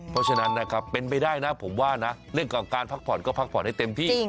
เพราะฉะนั้นนะครับเป็นไปได้นะผมว่านะเรื่องของการพักผ่อนก็พักผ่อนให้เต็มที่